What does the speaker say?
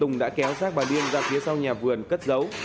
tùng đã kéo sát bà liên ra phía sau nhà vườn cất dấu